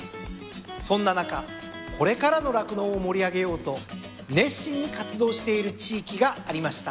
そんな中これからの酪農を盛り上げようと熱心に活動している地域がありました。